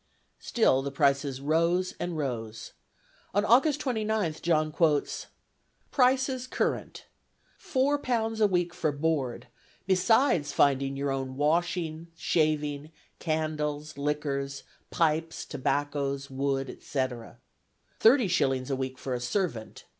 Still the prices rose and rose. On August 29th, John quotes: "Prices current. Four pounds a week for board, besides finding your own washing, shaving, candles, liquors, pipes, tobacco, wood, etc. Thirty shillings a week for a servant.